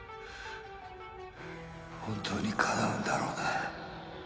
本当にかなうんだろうな？